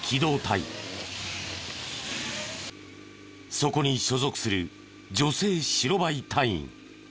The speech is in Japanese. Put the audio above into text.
そこに所属する女性白バイ隊員。